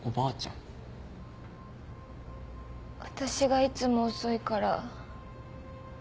私がいつも遅いから。